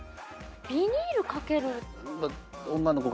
ビニールかける。